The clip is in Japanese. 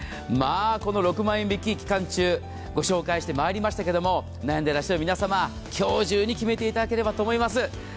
まあこの６万円引き期間中ご紹介して参りましたけども悩んでいらっしゃる皆様今日中に決めて頂ければと思います。